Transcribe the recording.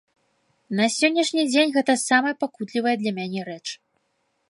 На сённяшні дзень гэта самая пакутлівая для мяне рэч.